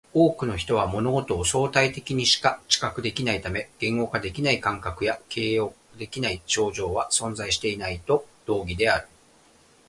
多くの人は物事を相対的にしか知覚できないため、言語化できない感覚や形容できない症状は存在しないと同義である